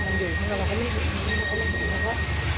มันอยู่ข้างกลางมันก็ไม่หยุดมันก็ไม่หยุด